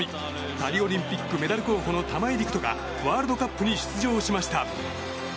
パリオリンピックメダル候補の玉井陸斗がワールドカップに出場しました。